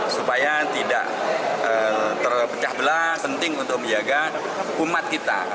supaya tidak terpecah belah penting untuk menjaga umat kita